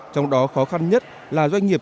trong đó khó khăn nhất là doanh nghiệp